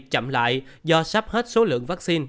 chậm lại do sắp hết số lượng vaccine